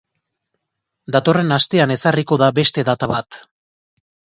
Datorren astean ezarriko da beste data bat.